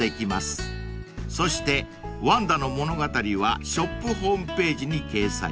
［そしてワンダの物語はショップホームページに掲載］